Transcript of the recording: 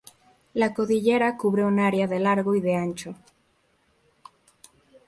La cordillera cubre un área de de largo y de ancho.